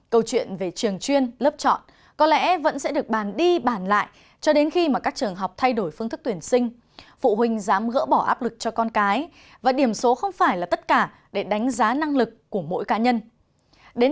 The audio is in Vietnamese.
câu chuyện về trường chuyên lớp chọn có lẽ vẫn sẽ được bàn đi bàn lại cho đến khi mà các trường học thay đổi phương thức tuyển sinh phụ huynh dám gỡ bỏ áp lực cho con cái và điểm số không phải là tất cả để đánh giá năng lực của mỗi cá nhân